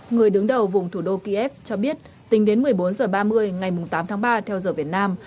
người đứng đầu vùng thủ đô kiev cho biết tính đến một mươi bốn h ba mươi ngày tám tháng ba theo giờ việt nam